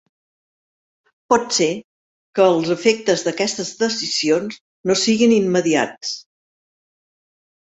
Pot ser que els efectes d'aquestes decisions no siguin immediats.